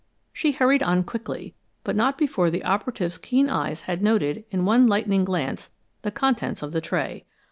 She hurried on quickly, but not before the operative's keen eyes had noted in one lightning glance the contents of the tray.